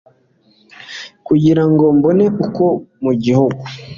Kugira ngo mbone nko mu gihu